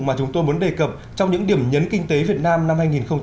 mà chúng tôi muốn đề cập trong những điểm nhấn kinh tế việt nam năm hai nghìn hai mươi